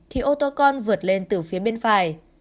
thì ô tô con vượt lên từ phía bên phải